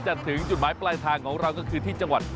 ถึงจุดหมายปลายทางของเราก็คือที่จังหวัด